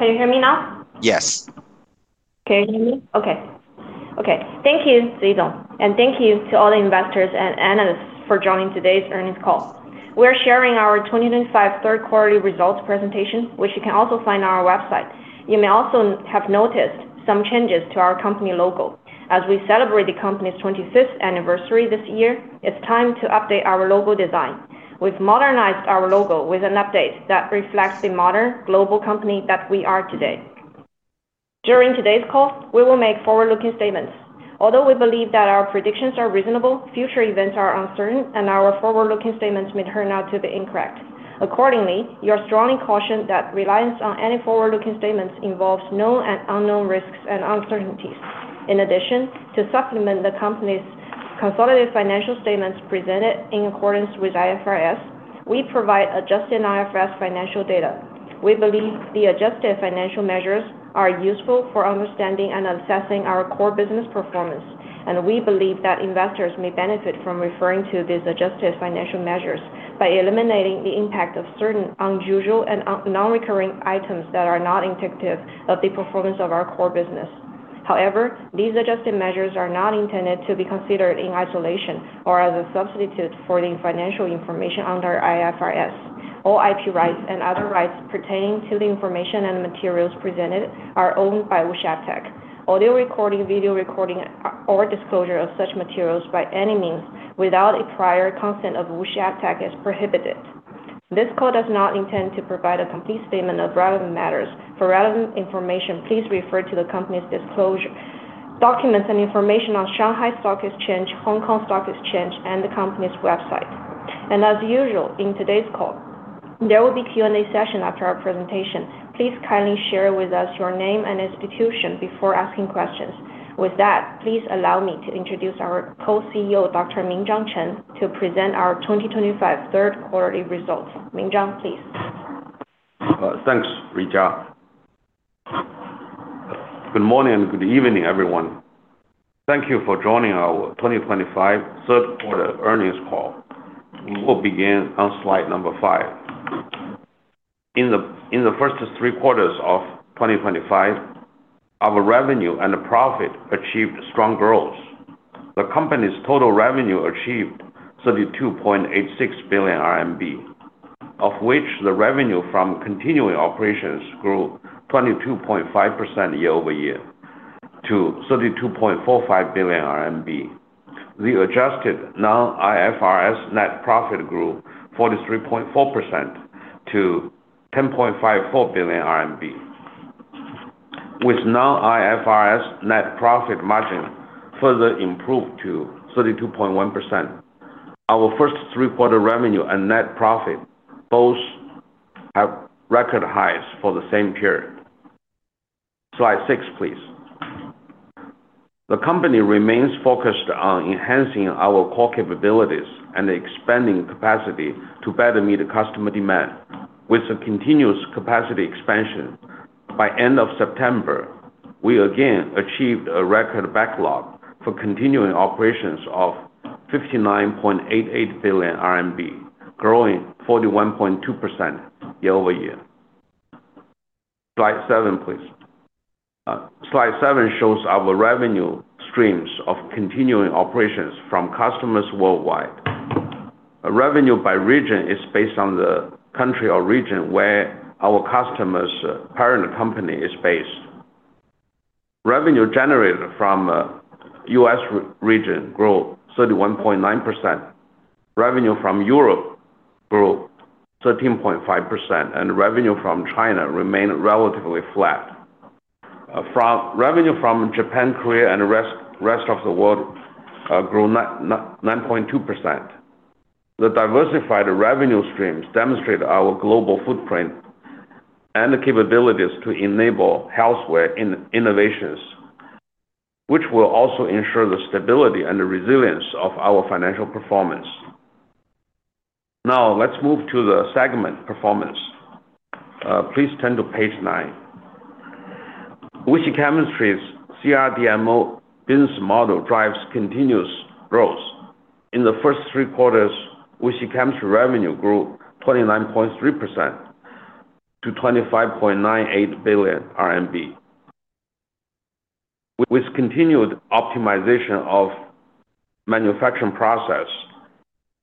Can you hear me now? Yes. Can you hear me? Okay. Thank you, Zi Zǒng, and thank you to all the investors and analysts for joining today's earnings call. We are sharing our 2025 Third Quarter results presentation, which you can also find on our website. You may also have noticed some changes to our company logo. As we celebrate the company's 25th anniversary this year, it's time to update our logo design. We've modernized our logo with an update that reflects the modern global company that we are today. During today's call, we will make forward-looking statements. Although we believe that our predictions are reasonable, future events are uncertain, and our forward-looking statements may turn out to be incorrect. Accordingly, we are strongly cautioned that reliance on any forward-looking statements involves known and unknown risks and uncertainties. In addition, to supplement the company's consolidated financial statements presented in accordance with IFRS, we provide adjusted IFRS financial data. We believe the adjusted financial measures are useful for understanding and assessing our core business performance, and we believe that investors may benefit from referring to these adjusted financial measures by eliminating the impact of certain unusual and non-recurring items that are not indicative of the performance of our core business. However, these adjusted measures are not intended to be considered in isolation or as a substitute for the financial information under IFRS. All IP rights and other rights pertaining to the information and materials presented are owned by WuXi AppTec. Audio recording, video recording, or disclosure of such materials by any means without prior consent of WuXi AppTec is prohibited. This call does not intend to provide a complete statement of relevant matters. For relevant information, please refer to the company's disclosure documents and information on Shanghai Stock Exchange, Hong Kong Stock Exchange, and the company's website. As usual, in today's call, there will be a Q&A session after our presentation. Please kindly share with us your name and institution before asking questions. With that, please allow me to introduce our Co-CEO, Dr. Minzhang Chen, to present our 2025 Third Quarterly Results. Minzhang, please. Thanks, Ruijia. Good morning and good evening, everyone. Thank you for joining our 2025 third-quarter earnings call. We will begin on slide number five. In the first three quarters of 2025, our revenue and profit achieved strong growth. The company's total revenue achieved 32.86 billion RMB, of which the revenue from continuing operations grew 22.5% year-over-year to 32.45 billion RMB. The adjusted non-IFRS net profit grew 43.4% to 10.54 billion RMB, with non-IFRS net profit margin further improved to 32.1%. Our first three-quarter revenue and net profit both have record highs for the same period. Slide six, please. The company remains focused on enhancing our core capabilities and expanding capacity to better meet customer demand. With the continuous capacity expansion, by the end of September, we again achieved a record backlog for continuing operations of 59.88 billion RMB, growing 41.2% year-over-year. Slide seven, please. Slide seven shows our revenue streams of continuing operations from customers worldwide. Revenue by region is based on the country or region where our customers' parent company is based. Revenue generated from the U.S. region grew 31.9%. Revenue from Europe grew 13.5%, and revenue from China remained relatively flat. Revenue from Japan, Korea, and the rest of the world grew 9.2%. The diversified revenue streams demonstrate our global footprint and the capabilities to enable healthcare innovations, which will also ensure the stability and the resilience of our financial performance. Now, let's move to the segment performance. Please turn to page nine. WuXi Chemistry's CRDMO Business Model drives continuous growth. In the first three quarters, WuXi Chemistry revenue grew 29.3% to RMB 25.98 billion, with continued optimization of the manufacturing process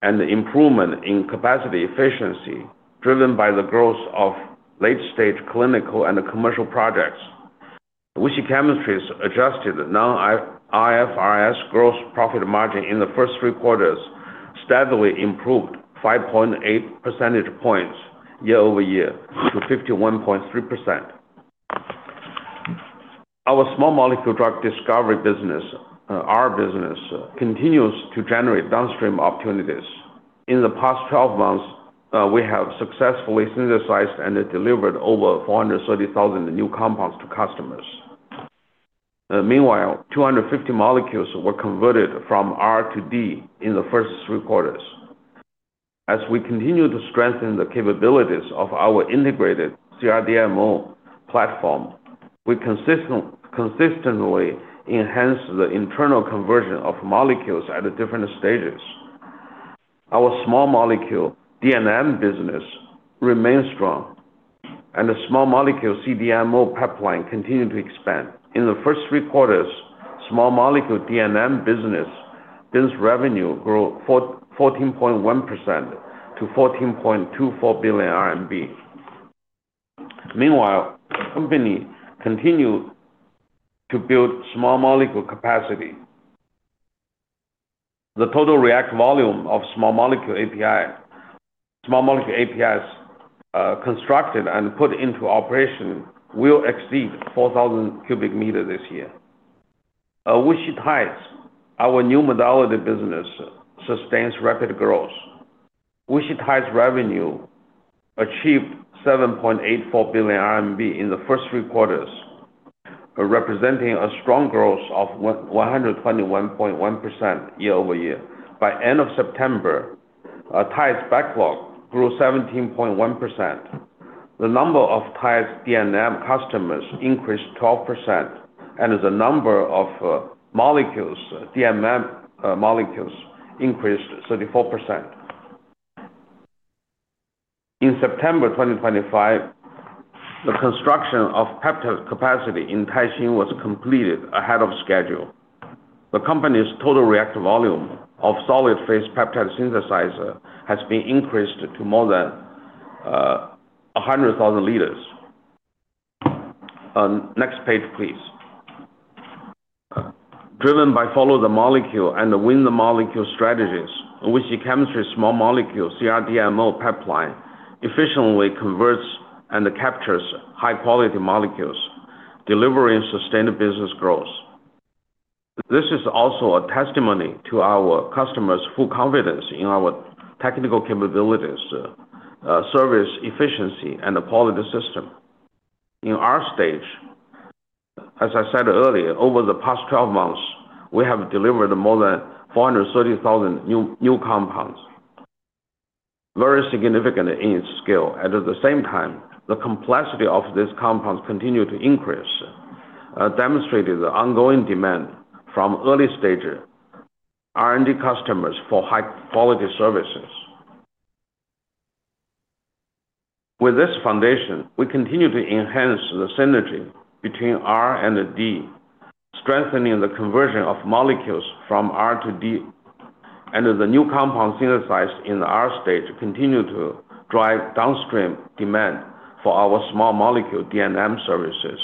and improvement in capacity efficiency driven by the growth of late-stage clinical and commercial projects. WuXi Chemistry's adjusted non-IFRS gross profit margin in the first three quarters steadily improved 5.8 percentage points year-over-year to 51.3%. Our small molecule drug discovery business, our business continues to generate downstream opportunities. In the past 12 months, we have successfully synthesized and delivered over 430,000 new compounds to customers. Meanwhile, 250 molecules were converted from R to D in the first three quarters. As we continue to strengthen the capabilities of our integrated CRDMO platform, we consistently enhance the internal conversion of molecules at different stages. Our small molecule D&M business remains strong, and the small molecule CDMO pipeline continues to expand. In the first three quarters, small molecule D&M business revenue grew 14.1% to 14.24 billion RMB. Meanwhile, the company continues to build small molecule capacity. The total react volume of small molecule APIs constructed and put into operation will exceed 4,000 cu m this year. WuXi TIDES, our new modality business, sustains rapid growth. WuXi TIDES revenue achieved 7.84 billion RMB in the first three quarters, representing a strong growth of 121.1% year-over-year. By the end of September, TIDES' backlog grew 17.1%. The number of TIDES D&M customers increased 12%, and the number of D&M molecules increased 34%. In September 2023, the construction of peptide capacity in Taixing was completed ahead of schedule. The company's total react volume of Solid Phase Peptide Synthesizer has been increased to more than 100,000 L. Next page, please. Driven by follow-the-molecule and win-the-molecule strategies, WuXi Chemistry's small molecule CRDMO pipeline efficiently converts and captures high-quality molecules, delivering sustained business growth. This is also a testimony to our customers' full confidence in our technical capabilities, service efficiency, and the quality system. In our stage, as I said earlier, over the past 12 months, we have delivered more than 430,000 new compounds, very significant in scale. At the same time, the complexity of these compounds continues to increase, demonstrating the ongoing demand from early-stage R&D customers for high-quality services. With this foundation, we continue to enhance the synergy between R and a D, strengthening the conversion of molecules from R to D, and the new compounds synthesized in the R stage continue to drive downstream demand for our small molecule D&M services.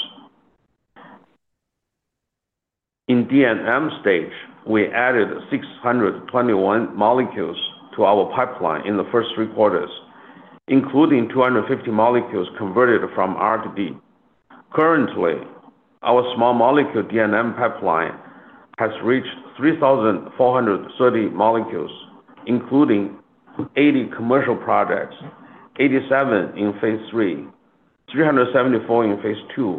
In D&M stage, we added 621 molecules to our pipeline in the first three quarters, including 250 molecules converted from R to D. Currently, our small molecule D&M pipeline has reached 3,430 molecules, including 80 commercial projects, 87 in phase III, 374 in phase II,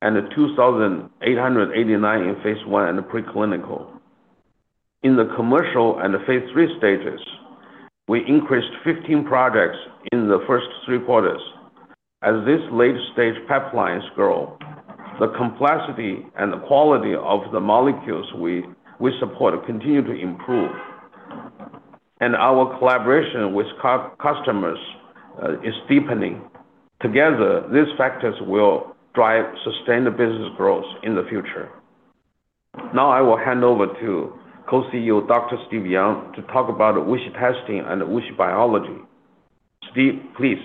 and 2,889 in phase I and preclinical. In the commercial and phase III stages, we increased 15 projects in the first three quarters. As this late-stage pipeline grows, the complexity and the quality of the molecules we support continue to improve, and our collaboration with customers is deepening. Together, these factors will drive sustained business growth in the future. Now, I will hand over to Co-CEO, Dr. Steve Yang, to talk about WuXi Testing and WuXi Biology. Steve, please.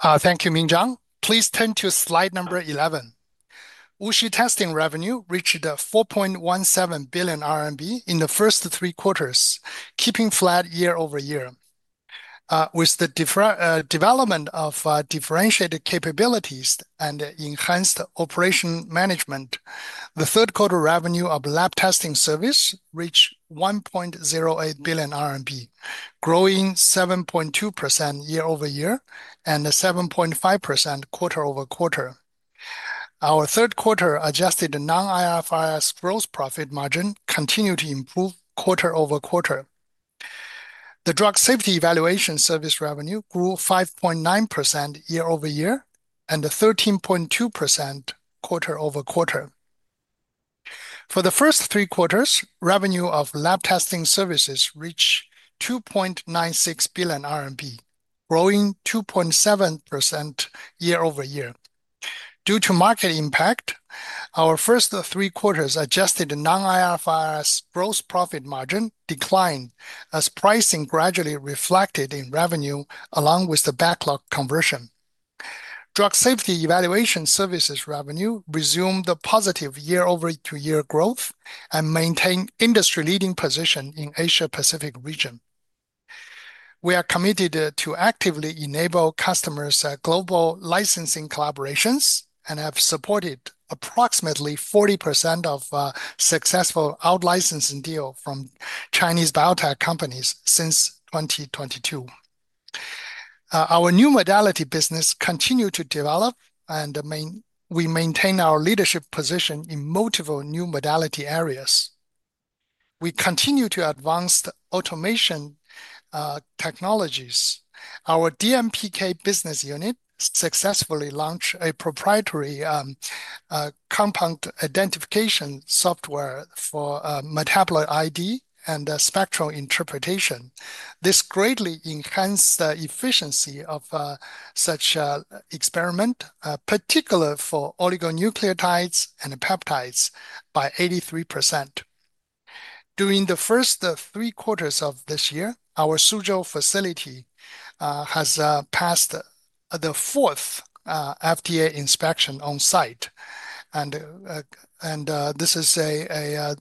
Thank you, Minzhang. Please turn to slide number 11. WuXi Testing revenue reached 4.17 billion RMB in the first three quarters, keeping flat year-over-year. With the development of differentiated capabilities and enhanced operation management, the third quarter revenue of the lab testing service reached 1.08 billion RMB, growing 7.2% year-over-year and 7.5% quarter-over-quarter. Our third quarter adjusted non-IFRS gross profit margin continued to improve quarter-over-quarter. The drug safety evaluation service revenue grew 5.9% year-over-year and 13.2% quarter-over-quarter. For the first three quarters, revenue of lab testing services reached RMB 2.96 billion, growing 2.7% year-over-year. Due to market impact, our first three quarters adjusted non-IFRS gross profit margin declined as pricing gradually reflected in revenue along with the backlog conversion. Drug safety evaluation services revenue resumed positive year-over-year growth and maintained an industry-leading position in the Asia-Pacific region. We are committed to actively enabling customers' global licensing collaborations and have supported approximately 40% of successful out-licensing deals from Chinese biotech companies since 2022. Our new modality business continues to develop, and we maintain our leadership position in multiple new modality areas. We continue to advance automation technologies. Our DMPK business unit successfully launched a proprietary compound identification software for metabolite ID and spectral interpretation. This greatly enhanced the efficiency of such experiments, particularly for oligonucleotides and peptides, by 83%. During the first three quarters of this year, our Suzhou facility has passed the fourth FDA inspection on-site, and this is a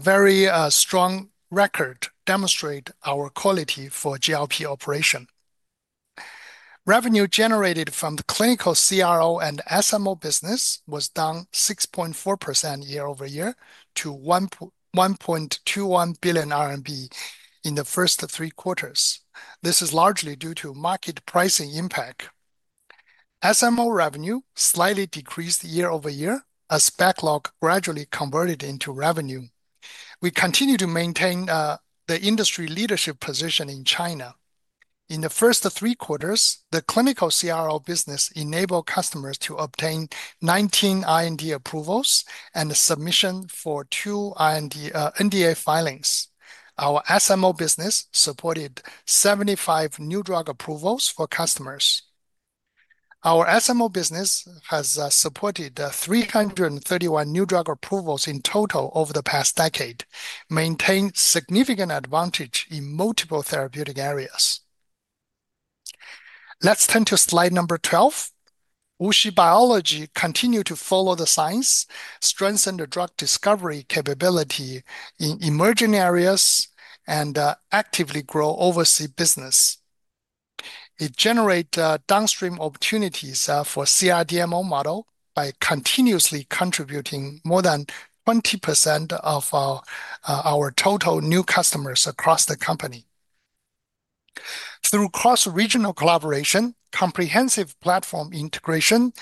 very strong record demonstrating our quality for GLP operation. Revenue generated from the clinical CRO and SMO business was down 6.4% year-over-year to 1.21 billion RMB in the first three quarters. This is largely due to market pricing impact. SMO revenue slightly decreased year-over-year as backlog gradually converted into revenue. We continue to maintain the industry leadership position in China. In the first three quarters, the clinical CRO business enabled customers to obtain 19 IND approvals and submission for two NDA filings. Our SMO business supported 75 new drug approvals for customers. Our SMO business has supported 331 new drug approvals in total over the past decade, maintaining a significant advantage in multiple therapeutic areas. Let's turn to slide number 12. WuXi Biology continues to follow the science, strengthen the drug discovery capability in emerging areas, and actively grow overseas business. It generates downstream opportunities for the CRDMO model by continuously contributing more than 20% of our total new customers across the company. Through cross-regional collaboration, comprehensive platform integration,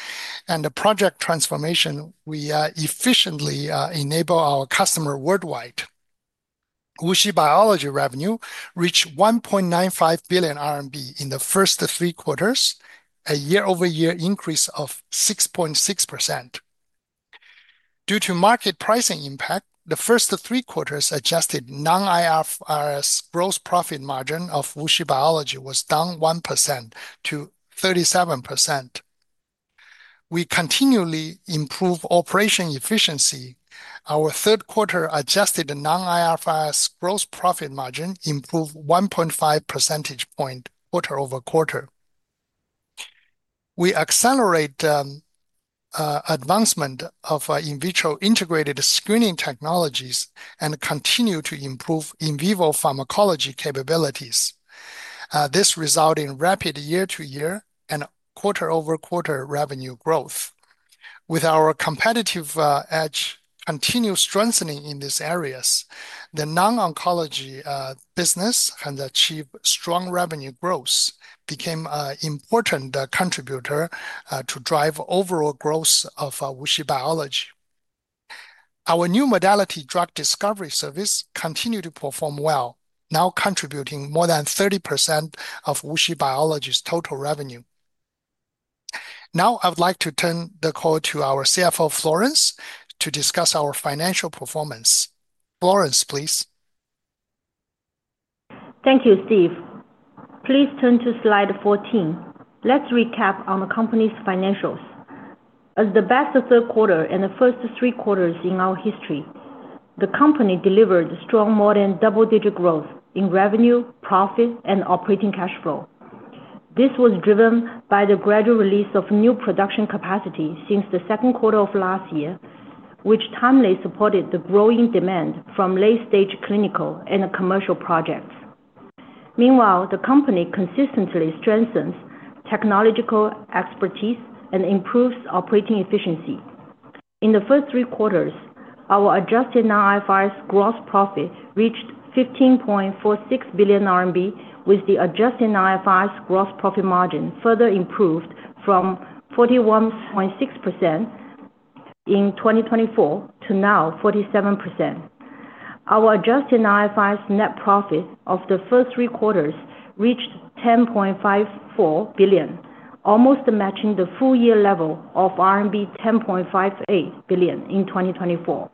and project transformation, we efficiently enable our customers worldwide. WuXi Biology revenue reached 1.95 billion RMB in the first three quarters, a year-over-year increase of 6.6%. Due to market pricing impact, the first three quarters adjusted non-IFRS gross profit margin of WuXi Biology was down 1% to 37%. We continually improve operation efficiency. Our third quarter adjusted non-IFRS gross profit margin improved 1.5 percentage point quarter-over-quarter. We accelerate the advancement of in vitro integrated screening technologies and continue to improve in vivo pharmacology capabilities. This resulted in rapid year-to-year and quarter-over-quarter revenue growth. With our competitive edge continuing strengthening in these areas, the non-oncology business has achieved strong revenue growth, becoming an important contributor to driving overall growth of WuXi Biology. Our new modality drug discovery service continues to perform well, now contributing more than 30% of WuXi Biology's total revenue. Now, I would like to turn the call to our CFO, Florence, to discuss our financial performance. Florence, please. Thank you, Steve. Please turn to slide 14. Let's recap on the company's financials. As the best third quarter in the first three quarters in our history, the company delivered strong, more than double-digit growth in revenue, profit, and operating cash flow. This was driven by the gradual release of new production capacity since the second quarter of last year, which timely supported the growing demand from late-stage clinical and commercial projects. Meanwhile, the company consistently strengthens technological expertise and improves operating efficiency. In the first three quarters, our adjusted non-IFRS gross profit reached 15.46 billion RMB, with the adjusted non-IFRS gross profit margin further improved from 41.6% in 2024 to now 47%. Our adjusted non-IFRS net profit of the first three quarters reached 10.54 billion, almost matching the full-year level of RMB 10.58 billion in 2024.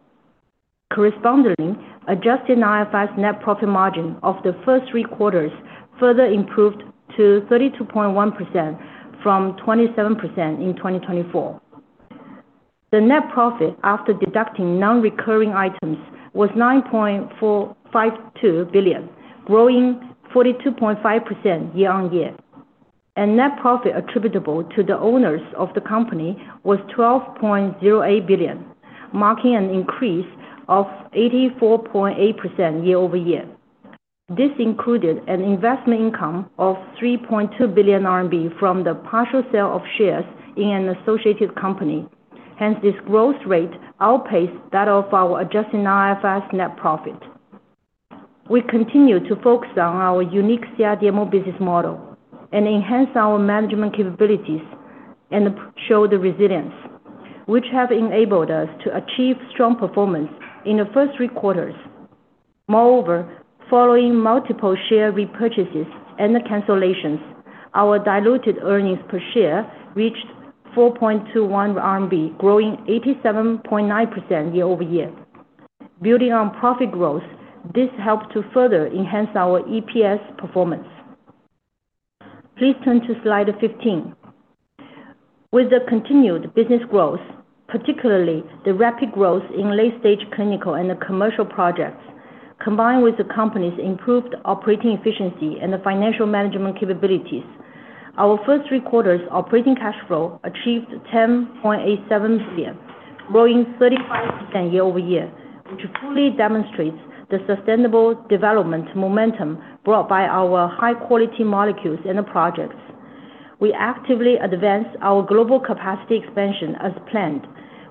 Correspondingly, adjusted non-IFRS net profit margin of the first three quarters further improved to 32.1% from 27% in 2024. The net profit after deducting non-recurring items was 9.452 billion, growing 42.5% year-on-year. Net profit attributable to the owners of the company was 12.08 billion, marking an increase of 84.8% year-over-year. This included an investment income of 3.2 billion RMB from the partial sale of shares in an associated company. Hence, this growth rate outpaced that of our adjusted non-IFRS net profit. We continue to focus on our unique CRDMO business model and enhance our management capabilities and show the resilience, which have enabled us to achieve strong performance in the first three quarters. Moreover, following multiple share repurchases and cancellations, our diluted earnings per share reached 4.21 RMB, growing 87.9% year-over-year. Building on profit growth, this helped to further enhance our EPS performance. Please turn to slide 15. With the continued business growth, particularly the rapid growth in late-stage clinical and commercial projects, combined with the company's improved operating efficiency and financial management capabilities, our first three quarters' operating cash flow achieved 10.87 billion, growing 35% year-over-year, which fully demonstrates the sustainable development momentum brought by our high-quality molecules and projects. We actively advance our global capacity expansion as planned,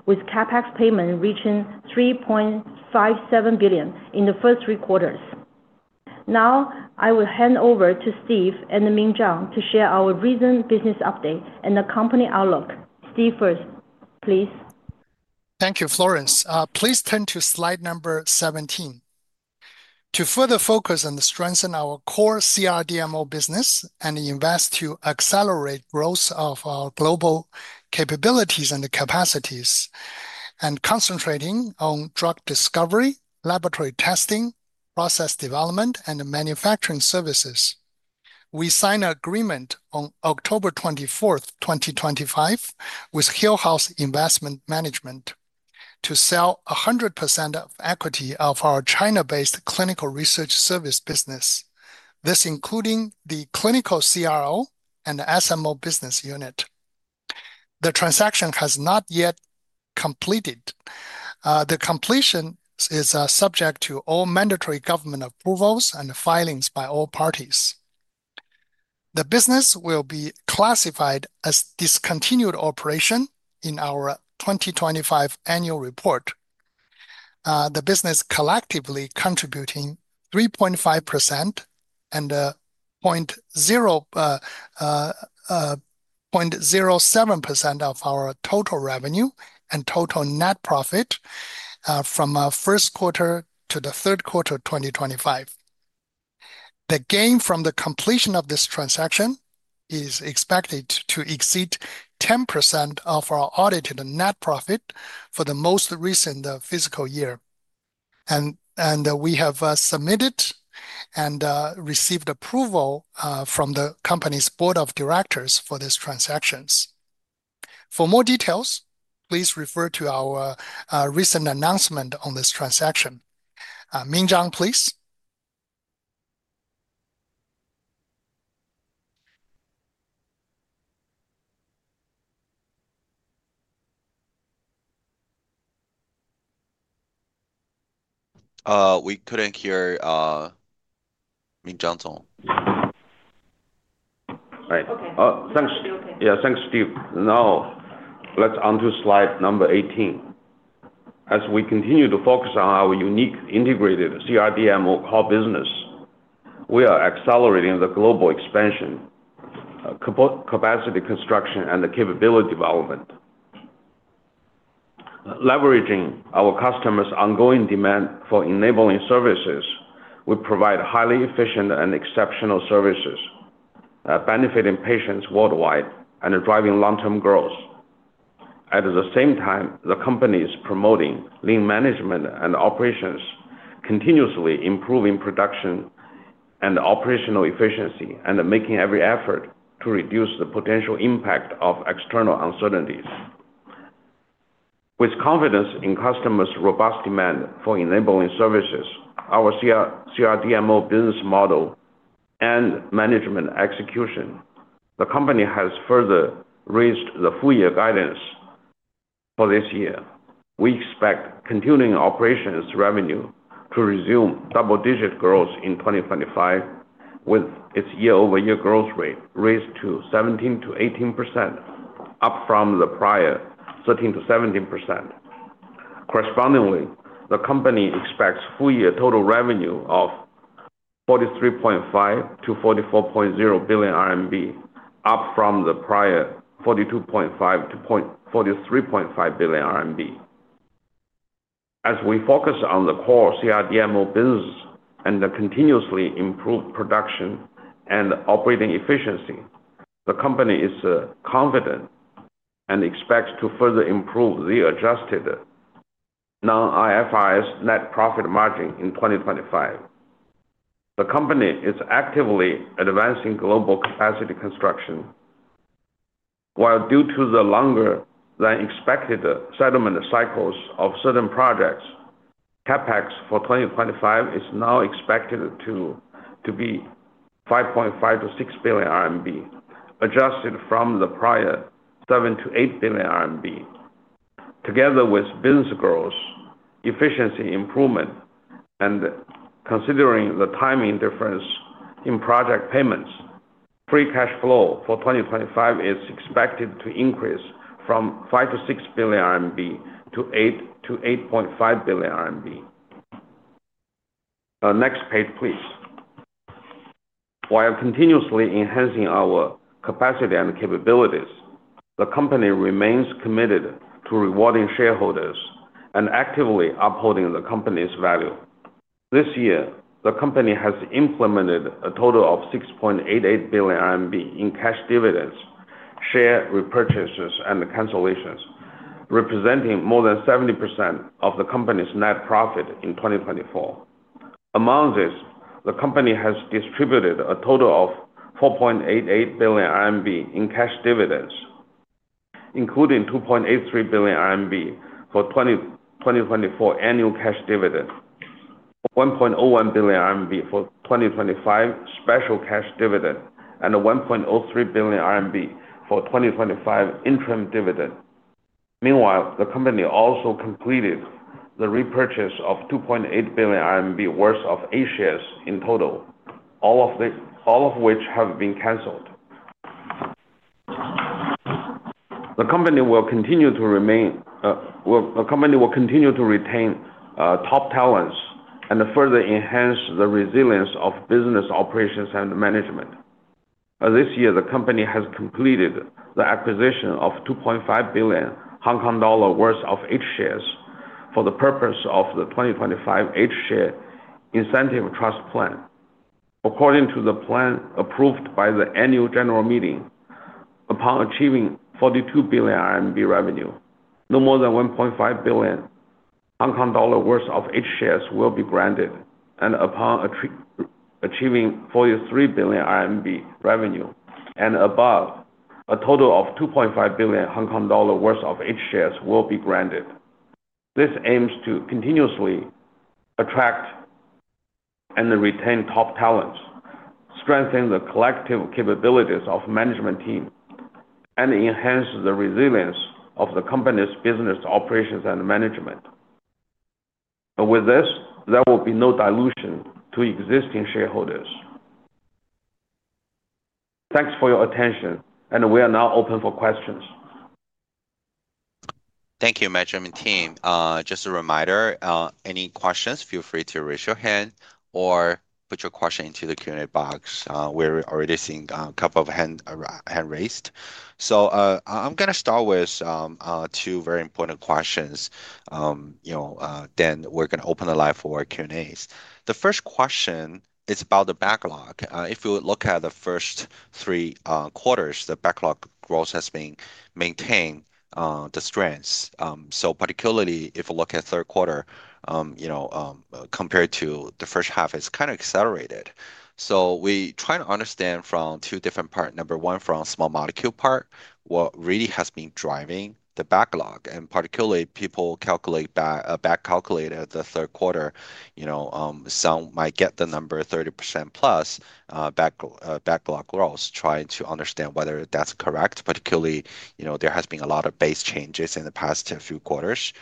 with CapEx payment reaching 3.57 billion in the first three quarters. Now, I will hand over to Steve and Minzhang to share our recent business update and the company outlook. Steve first, please. Thank you, Florence. Please turn to slide number 17. To further focus and strengthen our core CRDMO business and invest to accelerate the growth of our global capabilities and capacities, and concentrating on drug discovery, laboratory testing, process development, and manufacturing services, we signed an agreement on October 24th 2025, with Hillhouse Investment Management to sell 100% of equity of our China-based clinical research services business, this including the clinical CRO and the SMO business unit. The transaction has not yet been completed. The completion is subject to all mandatory government approvals and filings by all parties. The business will be classified as discontinued operation in our 2025 annual report. The business collectively contributes 3.5% and 0.07% of our total revenue and total net profit from our first quarter to the third quarter of 2025. The gain from the completion of this transaction is expected to exceed 10% of our audited net profit for the most recent fiscal year. We have submitted and received approval from the company's board of directors for these transactions. For more details, please refer to our recent announcement on this transaction. Minzhang, please. Thanks, Steve. Now, let's move on to slide number 18. As we continue to focus on our unique integrated CRDMO core business, we are accelerating the global expansion, capacity construction, and capability development. Leveraging our customers' ongoing demand for enabling services, we provide highly efficient and exceptional services, benefiting patients worldwide and driving long-term growth. At the same time, the company is promoting lean management and operations, continuously improving production and operational efficiency, and making every effort to reduce the potential impact of external uncertainties. With confidence in customers' robust demand for enabling services, our CRDMO business model, and management execution, the company has further reached the full-year guidance for this year. We expect continuing operations revenue to resume double-digit growth in 2025, with its year-over-year growth rate raised to 17%-18%, up from the prior 13%-17%. Correspondingly, the company expects full-year total revenue of 43.5 billio-RMB 44.0 billion, up from the prior 42.5 billion-43.5 billion RMB. As we focus on the core CRDMO business and continuously improve production and operating efficiency, the company is confident and expects to further improve the adjusted non-IFRS net profit margin in 2025. The company is actively advancing global capacity construction. While due to the longer-than-expected settlement cycles of certain projects, CapEx for 2025 is now expected to be 5.5 billion-6 billion RMB, adjusted from the prior 7 billion-8 billion RMB. Together with business growth, efficiency improvement, and considering the timing difference in project payments, free cash flow for 2025 is expected to increase from 5 billion-6 billion RMB to 8 billion-8.5 billion RMB. Next page, please. While continuously enhancing our capacity and capabilities, the company remains committed to rewarding shareholders and actively upholding the company's value. This year, the company has implemented a total of 6.88 billion RMB in cash dividends, share repurchases, and cancellations, representing more than 70% of the company's net profit in 2024. Among these, the company has distributed a total of 4.88 billion RMB in cash dividends, including 2.83 billion RMB for 2024 annual cash dividend, 1.01 billion RMB for 2025 special cash dividend, and 1.03 billion RMB for 2025 interim dividend. Meanwhile, the company also completed the repurchase of 2.8 billion RMB worth of A-shares in total, all of which have been canceled. The company will continue to retain top talents and further enhance the resilience of business operations and management. This year, the company has completed the acquisition of 2.5 billion Hong Kong dollar worth of H shares for the purpose of the 2025 H-share incentive plan. According to the plan approved by the Annual General Meeting, upon achieving 42 billion RMB revenue, no more than 1.5 billion Hong Kong dollar worth of H-shares will be granted, and upon achieving 43 billion RMB revenue and above, a total of 2.5 billion Hong Kong dollar worth of H-shares will be granted. This aims to continuously attract and retain top talents, strengthen the collective capabilities of the management team, and enhance the resilience of the company's business operations and management. With this, there will be no dilution to existing shareholders. Thanks for your attention, and we are now open for questions. Thank you, Management Team. Just a reminder, any questions, feel free to raise your hand or put your question into the Q&A box. We're already seeing a couple of hands raised. I'm going to start with two very important questions. We're going to open the line for Q&As. The first question is about the backlog. If you look at the first three quarters, the backlog growth has maintained the strengths. Particularly, if you look at the third quarter, compared to the first half, it's kind of accelerated. We try to understand from two different parts. Number one, from the small molecule part, what really has been driving the backlog, and particularly people calculate back, back calculate at the third quarter, some might get the number 30%+ backlog growth, trying to understand whether that's correct, particularly, there has been a lot of base changes in the past few quarters.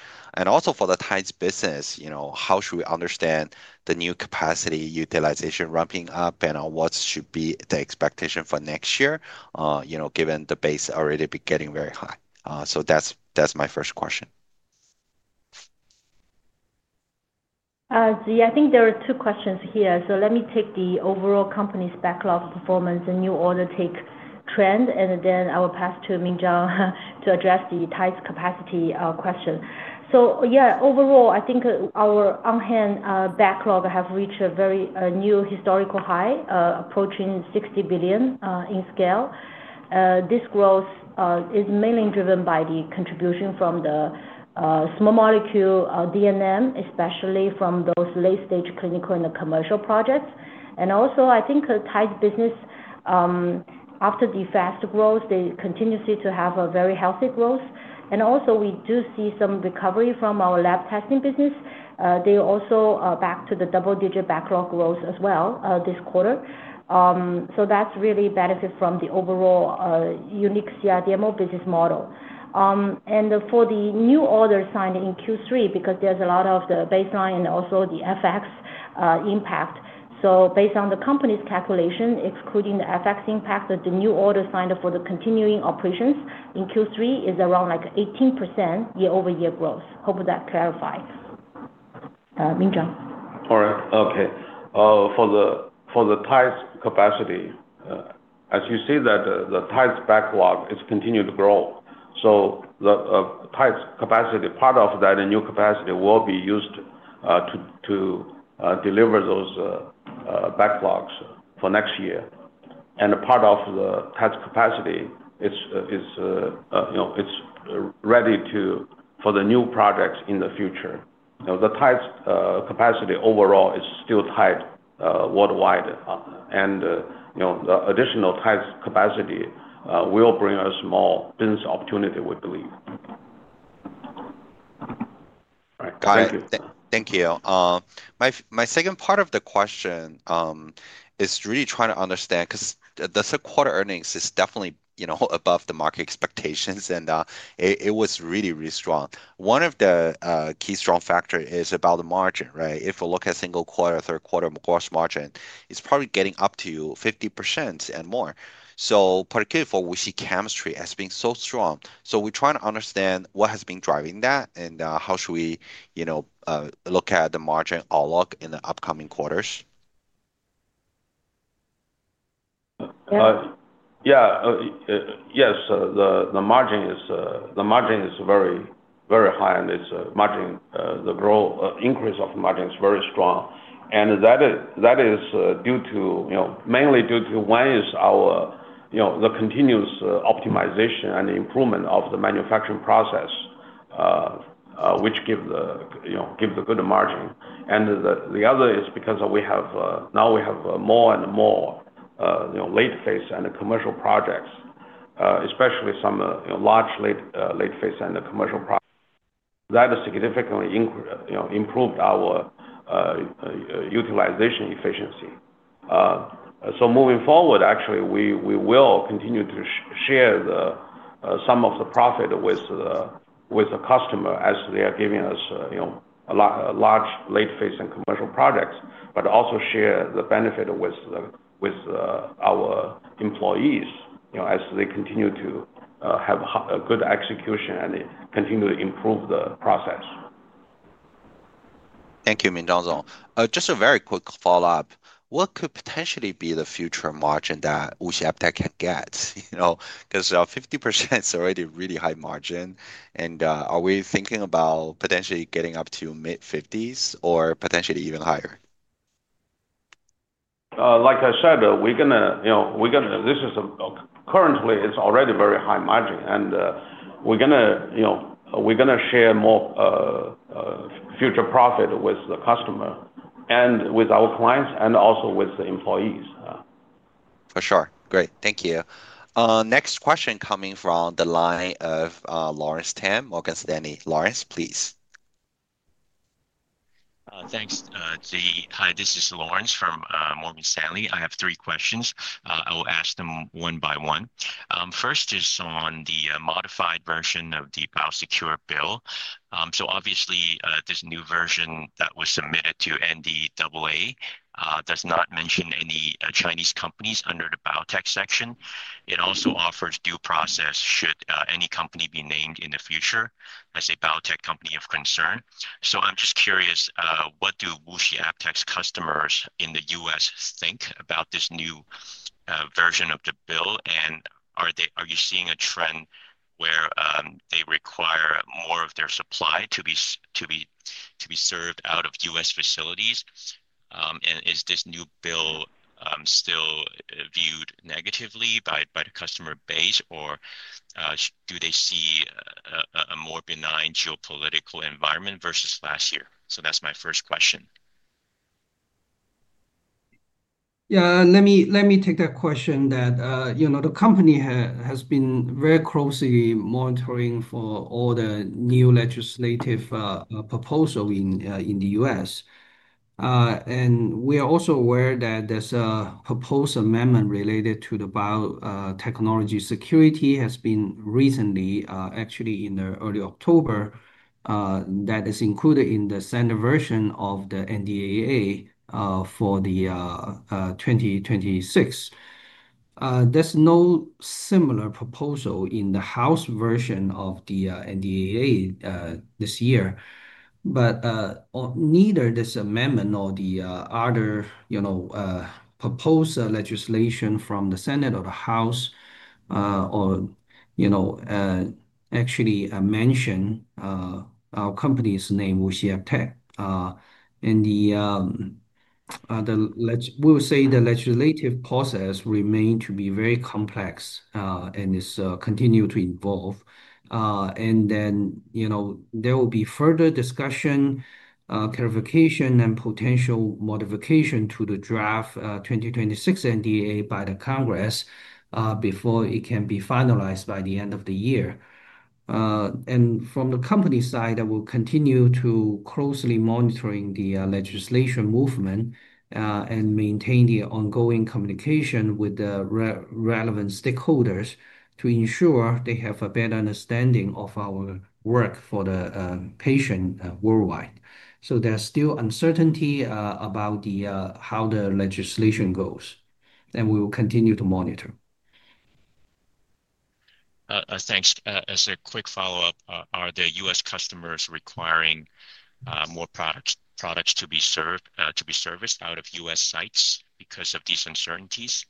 Also, for the TIDES business, how should we understand the new capacity utilization ramping up and what should be the expectation for next year, given the base already getting very high? That's my first question. Yeah, I think there are two questions here. Let me take the overall company's backlog performance and new order take trend, and then I will pass to Minzhang to address the TIDES capacity question. Overall, I think our on-hand backlog has reached a very new historical high, approaching 60 billion in scale. This growth is mainly driven by the contribution from the small molecule D&M, especially from those late-stage clinical and commercial projects. I think TIDES business, after the fast growth, continues to have a very healthy growth. We do see some recovery from our lab testing business. They're also back to the double-digit backlog growth as well this quarter. That's really benefiting from the overall unique CRDMO business model. For the new order signed in Q3, because there's a lot of the baseline and also the FX impact, based on the company's calculation, excluding the FX impact, the new order signed up for the continuing operations in Q3 is around 18% year-over-year growth. Hope that clarifies. Minzhang. All right. Okay. For the TIDES capacity, as you see that the TIDES backlog is continuing to grow. The TIDES capacity, part of that new capacity will be used to deliver those backlogs for next year, and part of the TIDES capacity is ready for the new projects in the future. The TIDES capacity overall is still tight worldwide, and the additional TIDES capacity will bring us more business opportunity, we believe. All right. Thank you. Thank you. My second part of the question is really trying to understand because the third quarter earnings is definitely above the market expectations, and it was really, really strong. One of the key strong factors is about the margin, right? If we look at single quarter, third quarter gross margin, it's probably getting up to 50% and more. Particularly for WuXi Chemistry, it has been so strong. We're trying to understand what has been driving that and how should we look at the margin outlook in the upcoming quarters? Yeah. Yes, the margin is very, very high, and the growth increase of the margin is very strong. That is mainly due to one, the continuous optimization and improvement of the manufacturing process, which gives a good margin. The other is because now we have more and more late-phase and commercial projects, especially some large late-phase and commercial projects. That has significantly improved our utilization efficiency. Moving forward, actually, we will continue to share some of the profit with the customer as they are giving us large late-phase and commercial projects, but also share the benefit with our employees as they continue to have a good execution and continue to improve the process. Thank you, Minzhang. Just a very quick follow-up. What could potentially be the future margin that WuXi AppTec can get? You know, because 50% is already a really high margin. Are we thinking about potentially getting up to mid-50% or potentially even higher? Like I said, this is currently, it's already a very high margin. We're going to share more future profit with the customer and with our clients and also with the employees. For sure. Great. Thank you. Next question coming from the line of Laurence Tam, Morgan Stanley. Lawrence, please? Thanks, Zi. Hi, this is Laurence from Morgan Stanley. I have three questions. I will ask them one by one. First is on the modified version of the BIOSECURE bill. Obviously, this new version that was submitted to NDAA does not mention any Chinese companies under the biotech section. It also offers due process should any company be named in the future as a biotech company of concern. I'm just curious, what do WuXi AppTec's customers in the U.S. think about this new version of the bill? Are you seeing a trend where they require more of their supply to be served out of U.S. facilities? Is this new bill still viewed negatively by the customer base, or do they see a more benign geopolitical environment versus last year? That's my first question. Yeah, let me take that question. The company has been very closely monitoring all the new legislative proposals in the U.S. We are also aware that there's a proposed amendment related to biotechnology security that has been recently, actually, in early October, included in the standard version of the NDAA for 2026. There's no similar proposal in the House version of the NDAA this year. Neither this amendment nor the other proposed legislation from the Senate or the House actually mention our company's name, WuXi AppTec. The legislative process remains to be very complex and is continuing to evolve. There will be further discussion, clarification, and potential modification to the draft 2026 NDAA by Congress before it can be finalized by the end of the year. From the company's side, I will continue to closely monitor the legislation movement and maintain ongoing communication with the relevant stakeholders to ensure they have a better understanding of our work for the patient worldwide. There's still uncertainty about how the legislation goes. We will continue to monitor. Thanks. As a quick follow-up, are the U.S. customers requiring more products to be serviced out of U.S. sites because of these uncertainties?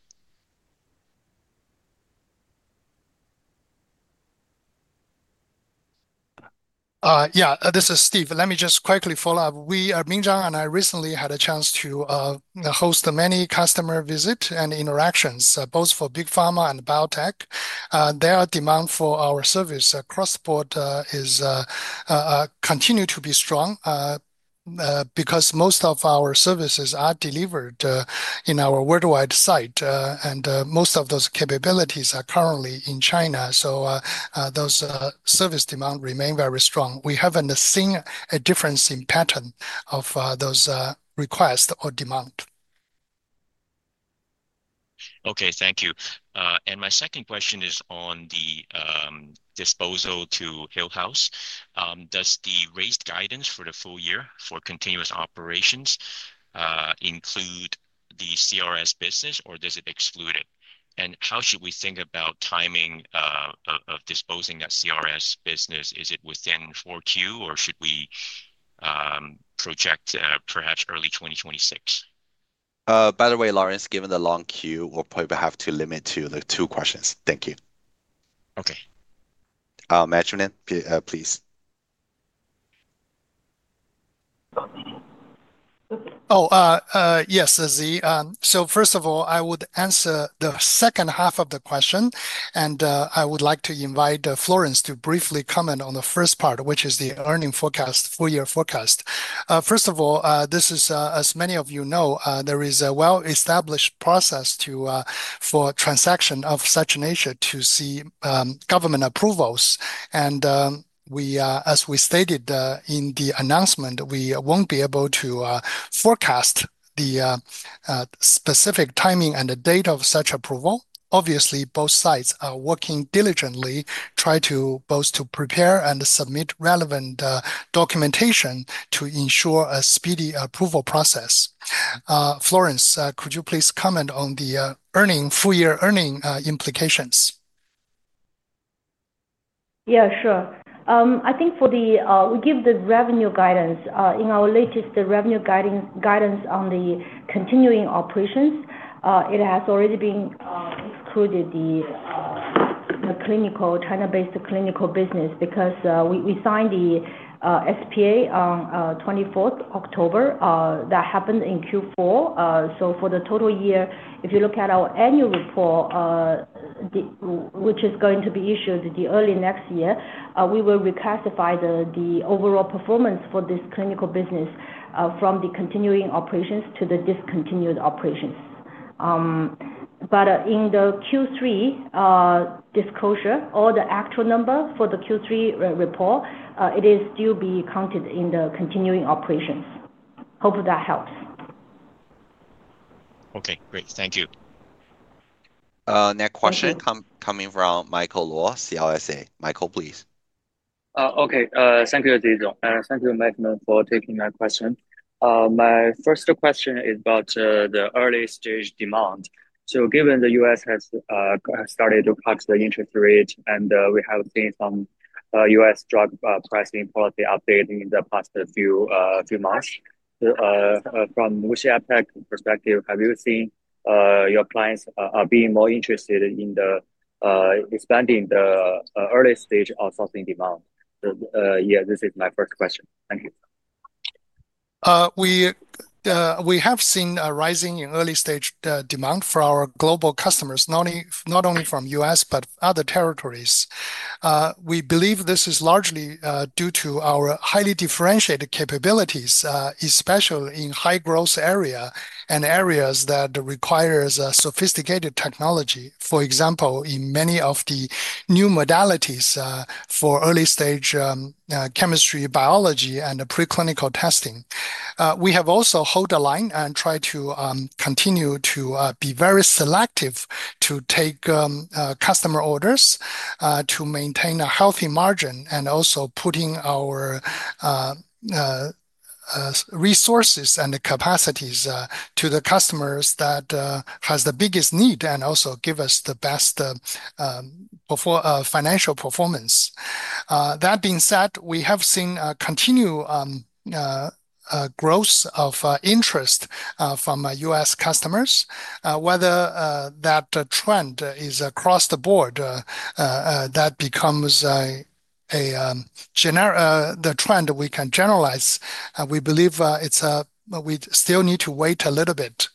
Yeah, this is Steve. Let me just quickly follow up. Minzhang and I recently had a chance to host many customer visits and interactions, both for big pharma and biotech. Their demand for our service across the board continues to be strong because most of our services are delivered in our worldwide site. Most of those capabilities are currently in China. Those service demands remain very strong. We haven't seen a difference in the pattern of those requests or demands. Thank you. My second question is on the disposal to Hillhouse. Does the raised guidance for the full year for continuous operations include the clinical research services business, or does it exclude it? How should we think about timing of disposing that clinical research services business? Is it within 4Q, or should we project perhaps early 2026? By the way, Laurence, given the long queue, we'll probably have to limit to two questions. Thank you. Okay. Management, please. Oh, yes, Zi. First of all, I would answer the second half of the question. I would like to invite Florence to briefly comment on the first part, which is the earning forecast, full-year forecast. First of all, as many of you know, there is a well-established process for transactions of such nature to see government approvals. As we stated in the announcement, we won't be able to forecast the specific timing and the date of such approval. Obviously, both sides are working diligently, trying to both prepare and submit relevant documentation to ensure a speedy approval process. Florence, could you please comment on the full-year earning implications? Yeah, sure. I think for the, we give the revenue guidance. In our latest revenue guidance on the continuing operations, it has already been excluded the clinical, China-based clinical business because we signed the SPA on 24th October. That happened in Q4. For the total year, if you look at our annual report, which is going to be issued early next year, we will reclassify the overall performance for this clinical business from the continuing operations to the discontinued operations. In the Q3 disclosure, all the actual numbers for the Q3 report, it is still being counted in the continuing operations. Hope that helps. Okay, great. Thank you. Next question coming from Michael Luo, CLSA. Michael, please. Thank you, Zi Zǒng. Thank you, Management, for taking my question. My first question is about the early-stage demand. Given the U.S. has started to cut the interest rate, and we have seen some U.S. drug pricing policy updates in the past few months, from WuXi AppTec's perspective, have you seen your clients being more interested in expanding the early-stage outsourcing demand? This is my first question. Thank you. We have seen a rise in early-stage demand for our global customers, not only from the U.S., but other territories. We believe this is largely due to our highly differentiated capabilities, especially in high-growth areas and areas that require sophisticated technology. For example, in many of the new modalities for early-stage chemistry, biology, and preclinical testing. We have also held the line and tried to continue to be very selective to take customer orders to maintain a healthy margin and also put our resources and capacities to the customers that have the biggest need and also give us the best financial performance. That being said, we have seen continued growth of interest from U.S. customers. Whether that trend is across the board, that becomes the trend we can generalize. We believe we still need to wait a little bit.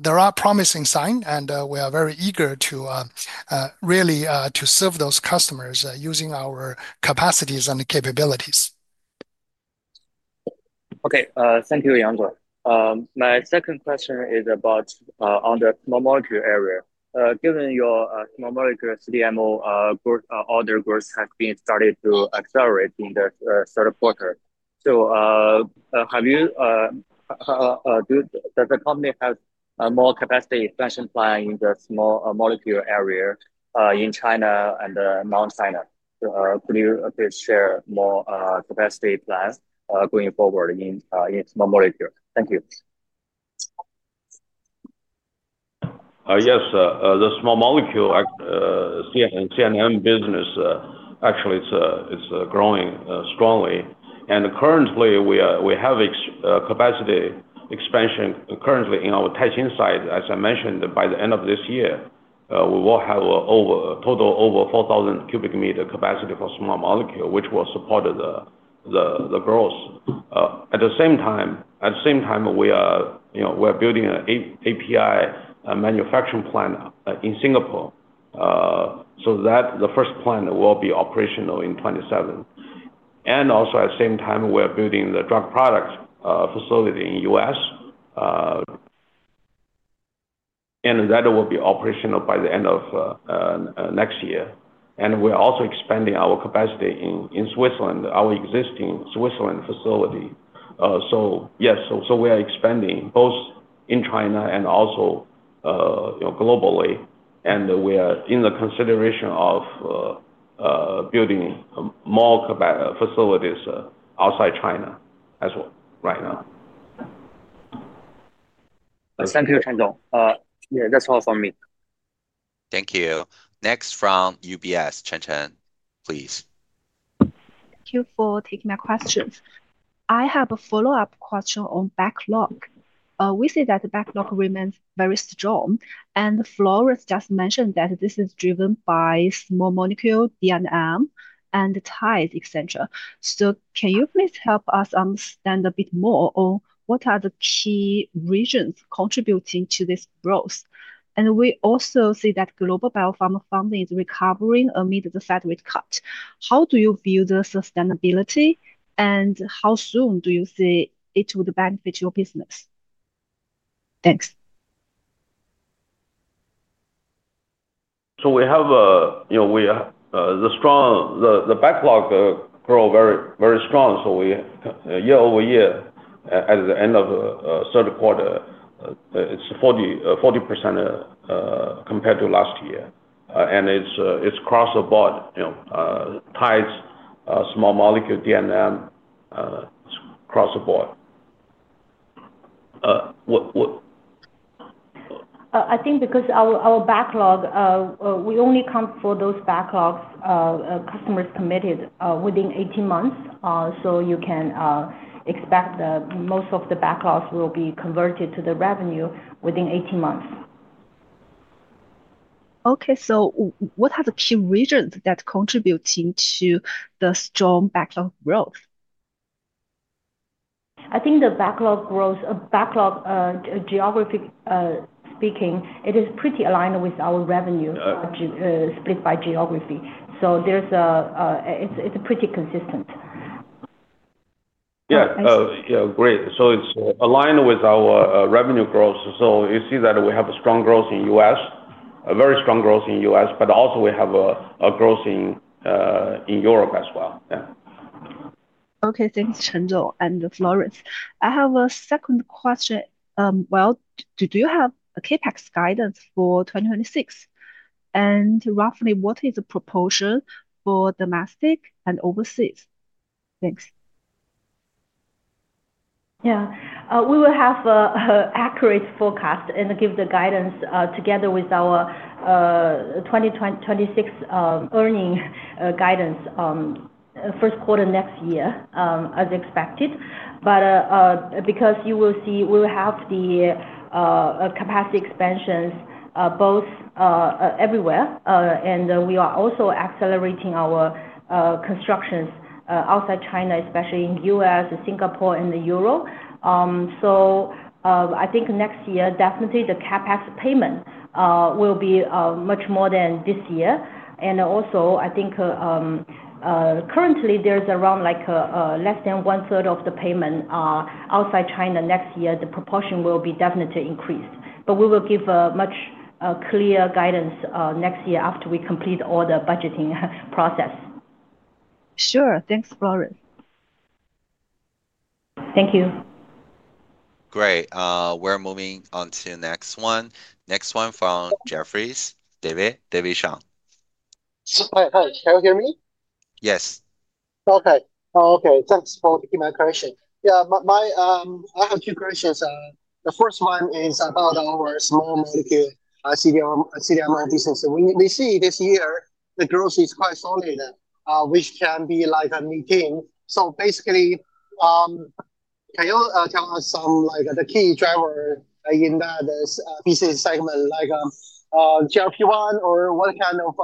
There are promising signs, and we are very eager to really serve those customers using our capacities and capabilities. Okay. Thank you, Yang Zǒng. My second question is about the small molecule area. Given your small molecule CDMO order growth has been starting to accelerate in the third quarter, does the company have more capacity expansion plan in the small molecule area in China and Mainland China? Could you please share more capacity plans going forward in small molecule? Thank you. Yes. The small molecule D&M business actually is growing strongly. Currently, we have capacity expansion in our Taixing site. As I mentioned, by the end of this year, we will have a total of over 4,000 cu m capacity for small molecule, which will support the growth. At the same time, we are building an API manufacturing plant in Singapore so that the first plant will be operational in 2027. Also, at the same time, we are building the drug products facility in the U.S., and that will be operational by the end of next year. We are also expanding our capacity in Switzerland, our existing Switzerland facility. Yes, we are expanding both in China and globally. We are in the consideration of building more facilities outside China as well right now. Thank you, Chen Zǒng. Yeah, that's all from me. Thank you. Next from UBS, Chen Chen, please. Thank you for taking my questions. I have a follow-up question on backlog. We see that the backlog remains very strong. Florence just mentioned that this is driven by small molecule D&M and TIDES, etc. Can you please help us understand a bit more on what are the key regions contributing to this growth? We also see that global biopharma funding is recovering amid the salary cut. How do you view the sustainability? How soon do you see it would benefit your business? Thanks. We have, you know, the backlog grows very, very strong. Year over year, at the end of the third quarter, it's 40% compared to last year. It's across the board, you know, TIDES, small molecule, D&M across the board. I think because our backlog, we only count for those backlogs customers committed within 18 months. You can expect that most of the backlogs will be converted to the revenue within 18 months. What are the key regions that are contributing to the strong backlog growth? I think the backlog growth, backlog geographically speaking, it is pretty aligned with our revenue split by geography. It's pretty consistent. Yeah, it's aligned with our revenue growth. You see that we have a strong growth in the U.S., a very strong growth in the U.S., but also we have a growth in Europe as well. Okay. Thanks, Chen Zǒng and Florence. I have a second question. Do you have a CapEx guidance for 2026? And roughly, what is the proportion for domestic and overseas? Thanks. Yeah. We will have an accurate forecast and give the guidance together with our 2026 earnings guidance first quarter next year, as expected. You will see, we will have the capacity expansions everywhere, and we are also accelerating our constructions outside China, especially in the U.S., Singapore, and Europe. I think next year, definitely the CapEx payment will be much more than this year. I think currently there's around less than 1/3 of the payment outside China. Next year, the proportion will be definitely increased. We will give a much clearer guidance next year after we complete all the budgeting process. Sure. Thanks, Florence. Thank you. Great. We're moving on to the next one. Next one from Jefferies. David, David Shang. Hi. Can you hear me? Yes. Okay. Thanks for taking my question. Yeah, I have two questions. The first one is about our small molecule CDMO business. We see this year the growth is quite solid, which can be like a meeting. Basically, can you tell us some of the key drivers in that business segment, like GLP-1 or what kind of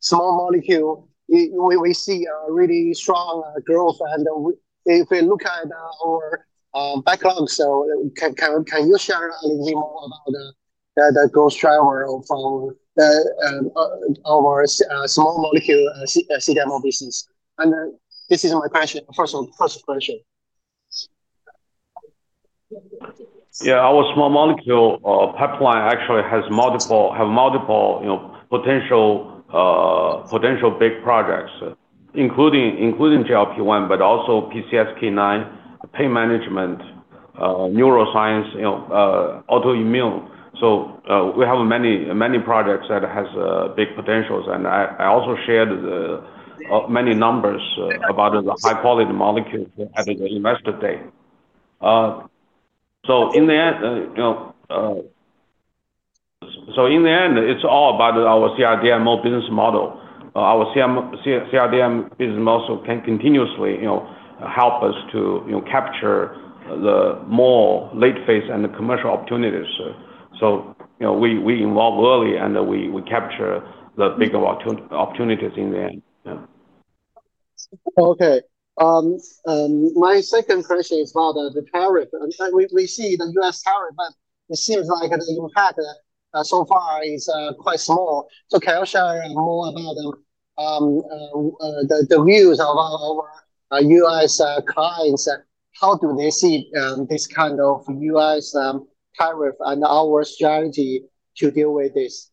small molecule we see a really strong growth? If we look at our backlog, can you share a little bit more about the growth driver of our small molecule CDMO business? This is my first question. Yeah, our small molecule pipeline actually has multiple, you know, potential big projects, including GLP-1, but also PCSK9, pain management, neuroscience, you know, autoimmune. We have many, many projects that have big potentials. I also shared many numbers about the high-quality molecules at the investor day. In the end, it's all about our CRDMO business model. Our CRDMO business model can continuously, you know, help us to capture the more late-phase and commercial opportunities. You know, we evolve early and we capture the bigger opportunities in the end. Okay. My second question is about the tariff. We see the U.S. tariff, but it seems like the impact so far is quite small. Can you share more about the views of our U.S. clients? How do they see this kind of U.S. tariff and our strategy to deal with this?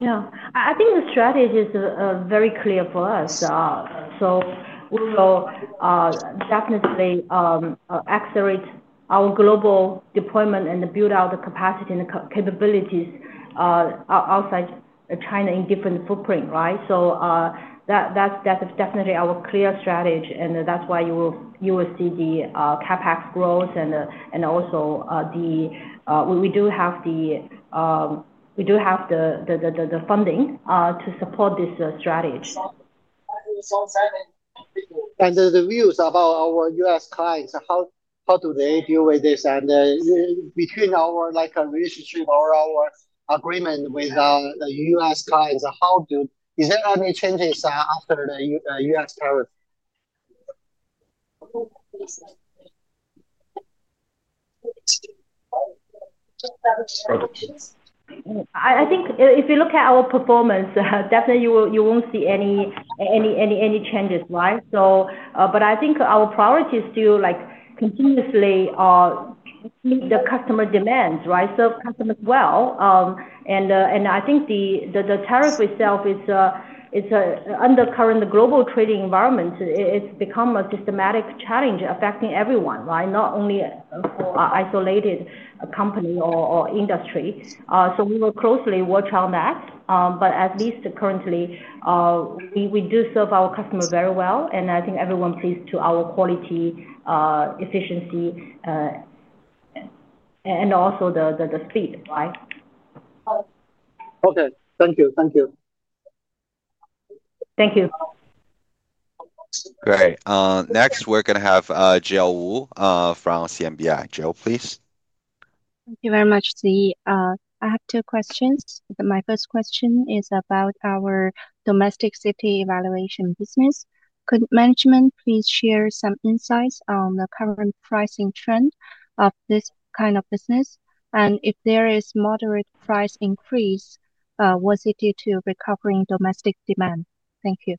I think the strategy is very clear for us. We will definitely accelerate our global deployment and build out the capacity and the capabilities outside China in different footprints, right? That is definitely our clear strategy. That is why you will see the CapEx growth. We do have the funding to support this strategy. are the views about our U.S. clients, how do they deal with this? Between our relationship or our agreement with the U.S. clients, is there any changes after the U.S. tariff? I think if you look at our performance, definitely you won't see any changes, right? I think our priority is to continuously meet the customer demands, right? Serve customers well. I think the tariff itself is undercurrent in the global trading environment. It's become a systematic challenge affecting everyone, right? Not only for our isolated company or industry. We will closely watch on that. At least currently, we do serve our customers very well. I think everyone is pleased with our quality, efficiency, and also the speed, right? Okay, thank you. Thank you. Thank you. Great. Next, we're going to have Jill Wu from CMBI. Jill, please. Thank you very much, Zi. I have two questions. My first question is about our domestic city evaluation business. Could management please share some insights on the current pricing trend of this kind of business? If there is a moderate price increase, was it due to recovering domestic demand? Thank you.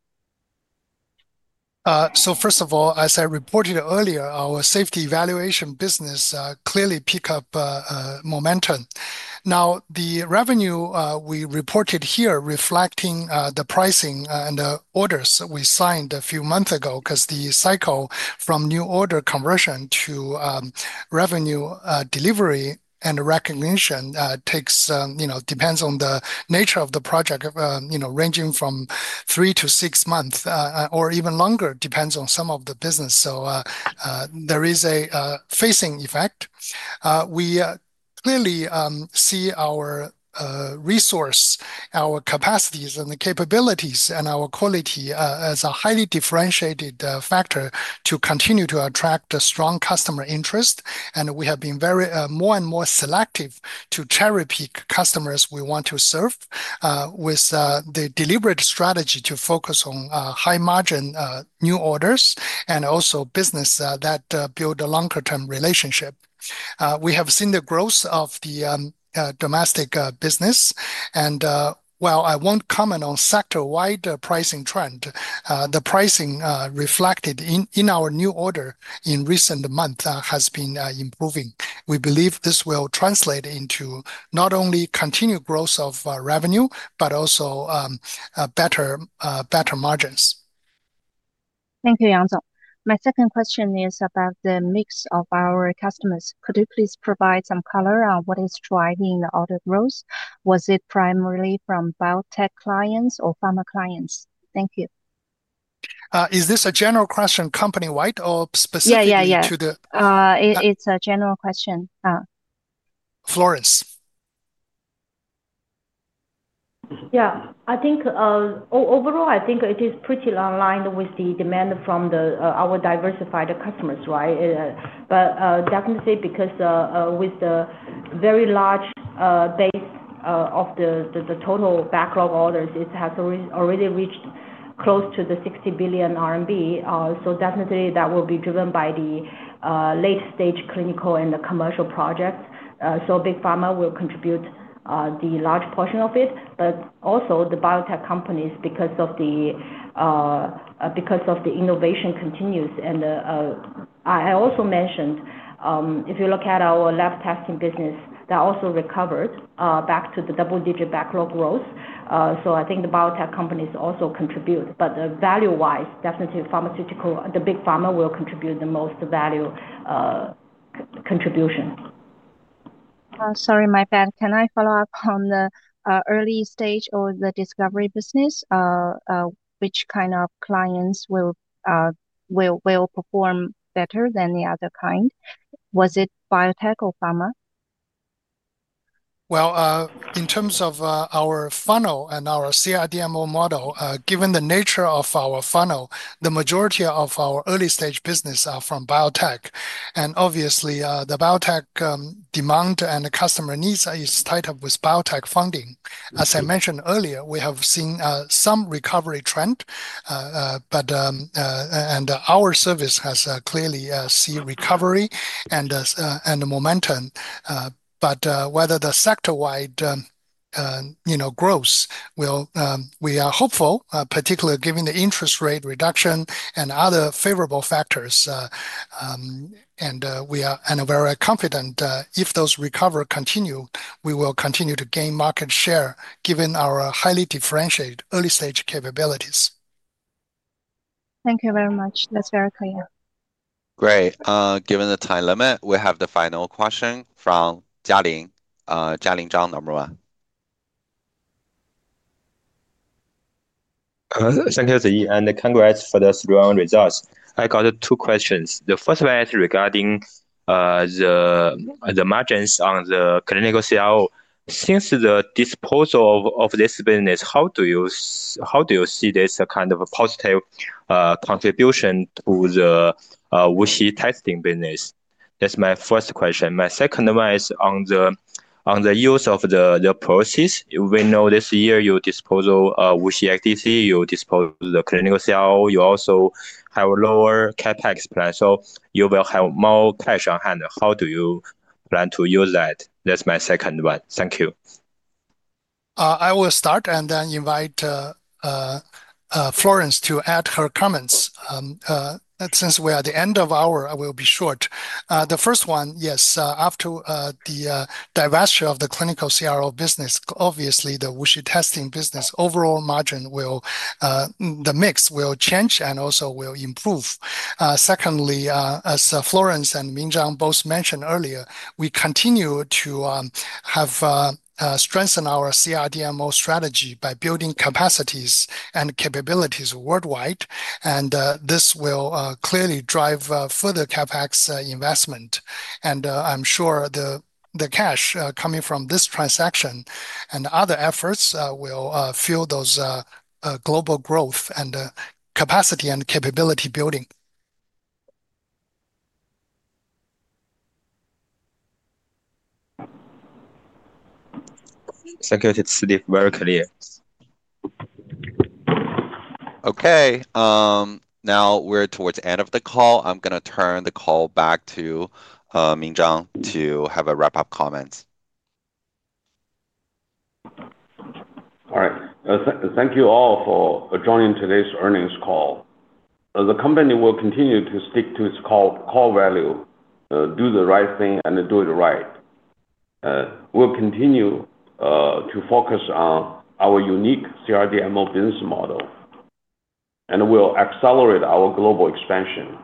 First of all, as I reported earlier, our drug safety assessment business clearly picked up momentum. The revenue we reported here reflects the pricing and the orders we signed a few months ago because the cycle from new order conversion to revenue delivery and recognition depends on the nature of the project, ranging from three to six months or even longer, depending on some of the business. There is a phasing effect. We clearly see our resources, our capacities, and the capabilities, and our quality as a highly differentiated factor to continue to attract strong customer interest. We have been more and more selective to cherry-pick customers we want to serve with the deliberate strategy to focus on high-margin new orders and also business that builds a longer-term relationship. We have seen the growth of the domestic business. While I won't comment on the sector-wide pricing trend, the pricing reflected in our new order in recent months has been improving. We believe this will translate into not only continued growth of revenue, but also better margins. Thank you, Yang Zǒng. My second question is about the mix of our customers. Could you please provide some color on what is driving the order growth? Was it primarily from biotech clients or pharma clients? Thank you. Is this a general question company-wide or specific to the? Yeah, it's a general question. Florence. Yeah. I think overall, I think it is pretty aligned with the demand from our diversified customers, right? Definitely, because with the very large base of the total backlog orders, it has already reached close to 60 billion RMB. That will be driven by the late-stage clinical and the commercial projects. Big pharma will contribute the large portion of it. The biotech companies, because the innovation continues. I also mentioned, if you look at our lab testing business, that also recovered back to the double-digit backlog growth. I think the biotech companies also contribute. Value-wise, definitely pharmaceutical, the big pharma will contribute the most value contribution. Sorry, my bad. Can I follow up on the early-stage or the discovery business? Which kind of clients will perform better than the other kind? Was it biotech or pharma? In terms of our funnel and our CRDMO model, given the nature of our funnel, the majority of our early-stage business are from biotech. Obviously, the biotech demand and customer needs are tied up with biotech funding. As I mentioned earlier, we have seen some recovery trend, and our service has clearly seen recovery and momentum. Whether the sector-wide growth will, we are hopeful, particularly given the interest rate reduction and other favorable factors. We are very confident that if those recoveries continue, we will continue to gain market share, given our highly differentiated early-stage capabilities. Thank you very much. That's very clear. Great. Given the time limit, we have the final question from Jialin. Jialin Zhang, Nomura. Thank you, Zi. Congratulations for the strong results. I got two questions. The first one is regarding the margins on the clinical CRO. Since the disposal of this business, how do you see this kind of positive contribution to the WuXi Testing business? That's my first question. My second one is on the use of the proceeds. We know this year your disposal of WuXi XDC, you disposed of the clinical CRO. You also have a lower CapEx plan. You will have more cash on hand. How do you plan to use that? That's my second one. Thank you. I will start and then invite Florence to add her comments. Since we are at the end of our hour, I will be short. The first one, yes, after the divestiture of the clinical CRO business, obviously, the WuXi Testing business overall margin will, the mix will change and also will improve. Secondly, as Florence and Minzhang both mentioned earlier, we continue to have strengthened our CRDMO strategy by building capacities and capabilities worldwide. This will clearly drive further CapEx investment. I'm sure the cash coming from this transaction and other efforts will fuel those global growth and capacity and capability building. Thank you. It's very clear. Okay. Now we're towards the end of the call. I'm going to turn the call back to Minzhang to have a wrap-up comment. All right. Thank you all for joining today's earnings call. The company will continue to stick to its core value, do the right thing, and do it right. We will continue to focus on our unique CRDMO business model. We will accelerate our global expansion.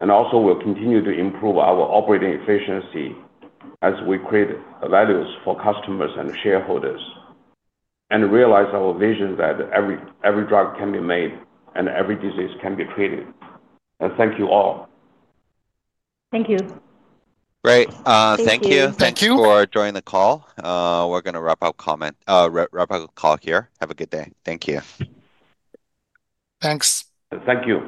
We will continue to improve our operating efficiency as we create values for customers and shareholders and realize our vision that every drug can be made and every disease can be treated. Thank you all. Thank you. Great. Thank you. Thank you for joining the call. We're going to wrap up the call here. Have a good day. Thank you. Thanks. Thank you.